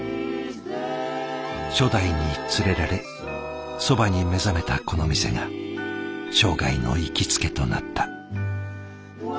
初代に連れられそばに目覚めたこの店が生涯の行きつけとなった。